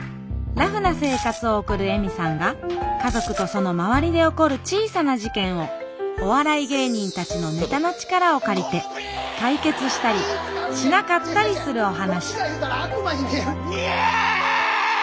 ラフな生活を送る恵美さんが家族とその周りで起こる小さな事件をお笑い芸人たちのネタの力を借りて解決したりしなかったりするお話イエー！